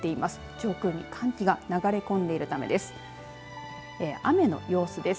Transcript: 上空に寒気が流れ込んでいるためです。